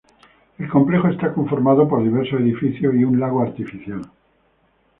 El complejo está conformado por diversos edificios y un lago artificial.